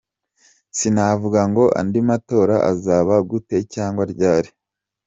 Sinavuga ngo andi matora azaba gute cyangwa ryari.